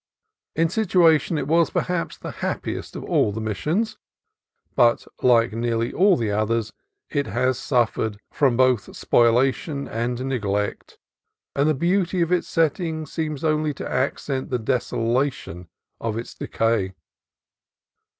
In situation it was, perhaps, the happiest of all the Mis sions ; but, like nearly all the others, it has suffered from both spoliation and neglect, and the beauty of its setting seems only to accent the desolation of its decay.